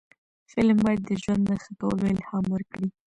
فلم باید د ژوند د ښه کولو الهام ورکړي